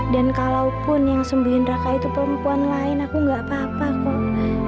dan kalaupun yang sembuhin raka itu perempuan lain aku nggak apa apa kok